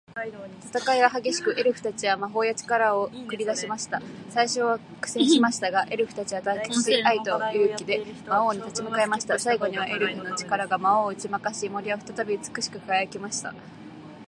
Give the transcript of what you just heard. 戦いは激しく、エルフたちは魔法や力を繰り出しました。最初は苦戦しましたが、エルフたちは団結し、愛と勇気で魔王に立ち向かいました。最後には、エルフの力が魔王を打ち負かし、森は再び美しく輝きました。